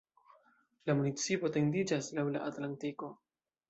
La municipo etendiĝas laŭ la Atlantiko.